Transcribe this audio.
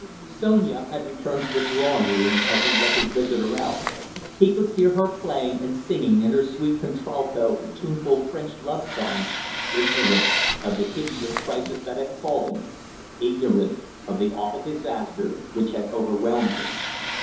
Sonia had returned to the drawing room as he let his visitor out. He could hear her playing, and singing in her sweet contralto a tuneful French love song, ignorant of the hideous crisis that had fallen, ignorant of the awful disaster which had overwhelmed him.